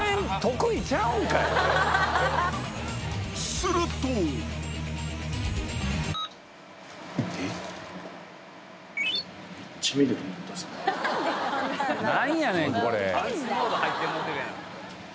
すると何やねん！